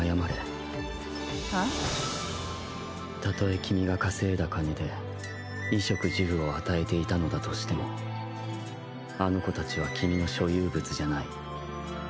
たとえ君が稼いだ金で衣食住を与えていたのだとしてもあの子たちは君の所有物じゃない。